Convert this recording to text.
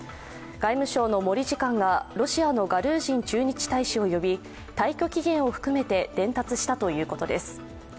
外務省の森次官がロシアのガルージン駐日大使を呼び退去期限を含めて伝達したということです。